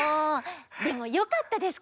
でもよかったです